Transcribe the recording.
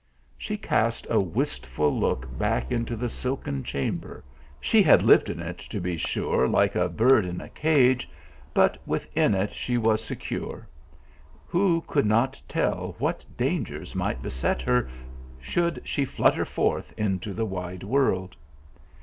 She cast a wistful look back into the si! ken chamber ; she had lived in it, to be sure, like a bird in a cage, but within it she was secure who could not tell what dangers might beset her should she flutter forth into the wide world